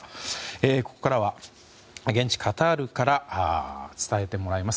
ここからは現地カタールから伝えてもらいます。